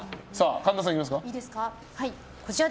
神田さん、行きますか。